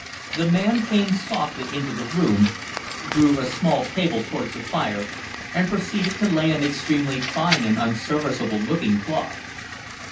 The man came softly into the room, drew a small table towards the fire, and proceeded to lay an extremely fine and unserviceable looking cloth.